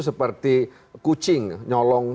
seperti kucing nyolong